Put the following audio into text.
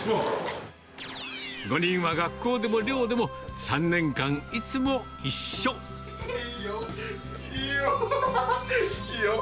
５人は学校でも寮でも３年間、いいよー、いいよー。